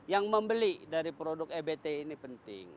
yang membeli dari produk ebt ini penting